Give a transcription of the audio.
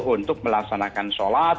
untuk melaksanakan sholat